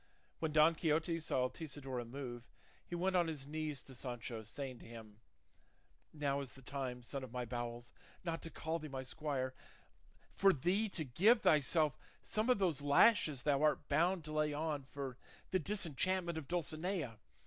When Don Quixote saw Altisidora move, he went on his knees to Sancho saying to him, "Now is the time, son of my bowels, not to call thee my squire, for thee to give thyself some of those lashes thou art bound to lay on for the disenchantment of Dulcinea.